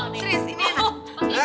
serius ini enak